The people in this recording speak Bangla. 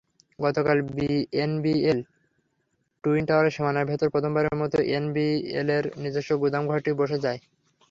গতকাল এনবিএল টুইন টাওয়ার সীমানার ভেতরে প্রথমবারের মতো এনবিএলের নিজস্ব গুদামঘরটিও বসে যায়।